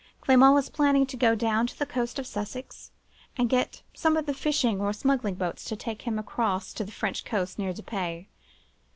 Clement's plan was, to go down to the coast of Sussex, and get some of the fishing or smuggling boats to take him across to the French coast near Dieppe.